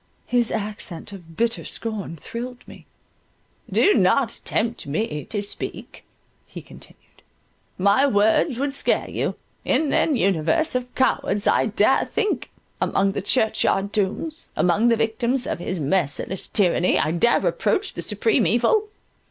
His accent of bitter scorn thrilled me—"Do not tempt me to speak," he continued, "my words would scare you—in an universe of cowards I dare think—among the church yard tombs—among the victims of His merciless tyranny I dare reproach the Supreme Evil.